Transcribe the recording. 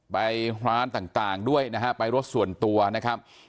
ไปร้านต่างด้วยนะฮะไปรถส่วนตัวนะครับ